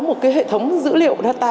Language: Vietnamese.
một hệ thống dữ liệu data